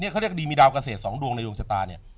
เขาเรียกดีมีดาวเกษตร๒ดวงในดวงชะตาเนี่ย